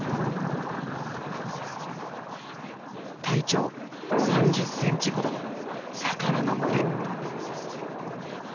体長３０センチほどの魚の群れ。